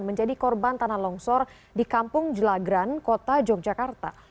menjadi korban tanah longsor di kampung jelagran kota yogyakarta